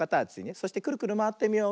そしてクルクルまわってみよう。